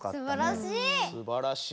すばらしい！